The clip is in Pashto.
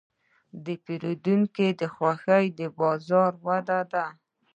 د پیرودونکي خوښي د بازار وده ده.